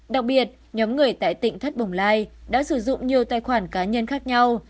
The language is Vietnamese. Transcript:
đặc biệt nhóm người tại tỉnh thất bồng lai đã sử dụng nhiều tài khoản cá nhân khác nhau